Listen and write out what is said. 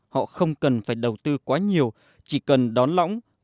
họ không cần phải đầu tư quá nhiều chỉ cần đón lõng